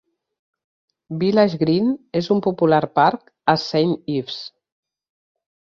Village Green és un popular parc a Saint Ives.